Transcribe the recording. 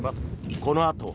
このあとは。